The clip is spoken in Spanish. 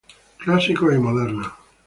Clásicos y modernos".